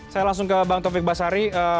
saya langsung ke bang taufik basari